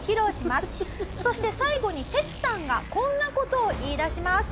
そして最後にテツさんがこんな事を言い出します。